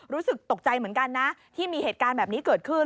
รู้สึกตกใจเหมือนกันนะที่มีเหตุการณ์แบบนี้เกิดขึ้น